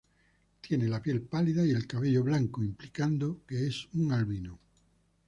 Tiene la piel pálida y el cabello blanco, implicando que es un albino.